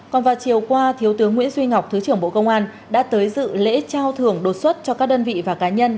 còn vào chiều qua thiếu tướng nguyễn duy ngọc thứ trưởng bộ công an đã tới dự lễ trao thưởng đột xuất cho các đơn vị và cá nhân